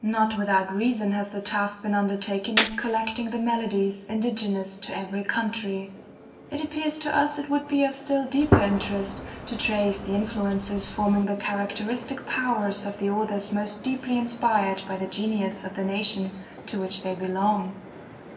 Not without reason has the task been undertaken of collecting the melodies indigenous to every country. It appears to us it would be of still deeper interest, to trace the influences forming the characteristic powers of the authors most deeply inspired by the genius of the nation to which they belong.